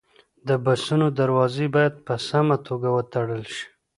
د بسونو دروازې باید په سمه توګه وتړل شي.